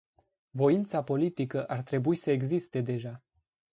Voința politică ar trebui să existe deja.